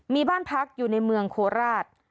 มีบ้านพักอยู่ในเมืองโคราช